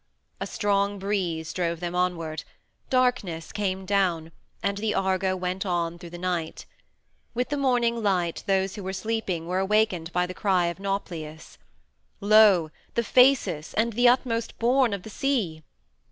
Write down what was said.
A strong breeze drove them onward; darkness came down, and the Argo went on through the night. With the morning light those who were sleeping were awakened by the cry of Nauplius "Lo! The Phasis, and the utmost bourne of the sea!"